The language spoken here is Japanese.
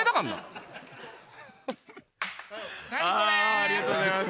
ありがとうございます。